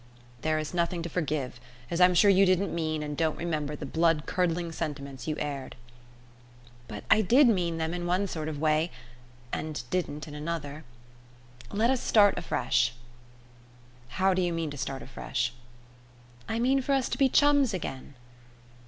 "There is nothing to forgive, as I'm sure you didn't mean and don't remember the blood curdling sentiments you aired." "But I did mean them in one sort of a way, and didn't in another. Let us start afresh." "How do you mean to start afresh?" "I mean for us to be chums again."